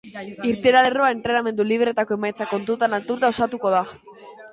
Irteera lerroa entrenamendu libreetako emaitzak kontutan hartuta osatuko da.